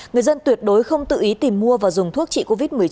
người dân tuyệt đối không tự ý tìm mua và dùng thuốc trị covid một mươi chín